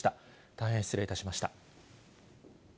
大変失礼いたしました。